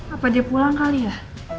apa dia pulang kali ya